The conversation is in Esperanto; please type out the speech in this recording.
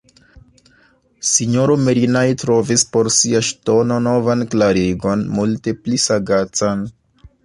S-ro Merinai trovis por sia ŝtono novan klarigon, multe pli sagacan.